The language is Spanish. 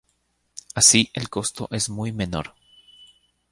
Así el costo es muy menor.